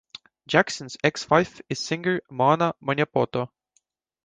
Jackson's ex-wife is singer Moana Maniapoto.